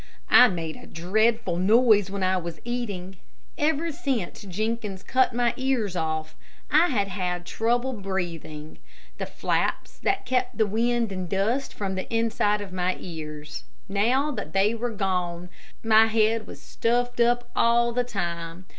I made a dreadful noise when I was eating. Ever since Jenkins cut my ears off, I had had trouble in breathing. The flaps had kept the wind and dust from the inside of my ears. Now that they were gone my head was stuffed up all the time.